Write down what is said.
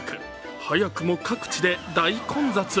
早くも各地で大混雑。